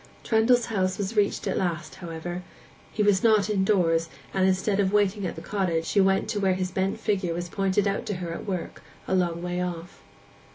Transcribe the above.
Trendle's house was reached at last, however: he was not indoors, and instead of waiting at the cottage, she went to where his bent figure was pointed out to her at work a long way off.